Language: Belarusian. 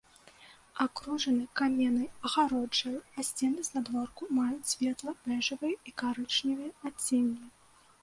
Акружаны каменнай агароджай, а сцены знадворку маюць светла-бэжавыя і карычневыя адценні.